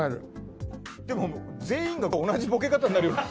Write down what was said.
でも、全員が同じボケ方になって。